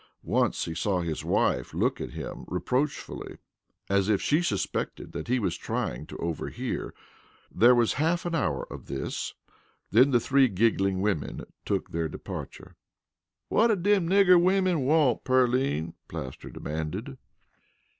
Once he saw his wife look straight at him reproachfully, as if she suspected that he was trying to overhear. There was half an hour of this, then the three giggling women took their departure. "Whut did dem nigger women want, Pearline?" Plaster demanded.